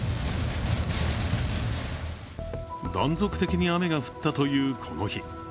断続的に雨が降ったというこの日。